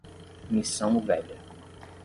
Missão Velha